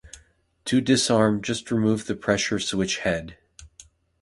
To disarm just remove the pressure switch head.